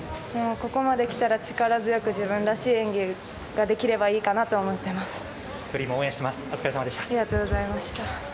ここまできたら力強く自分らしい演技ができればいいかなと思っています。